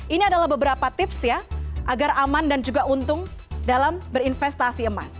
ini adalah beberapa tips ya agar aman dan juga untung dalam berinvestasi emas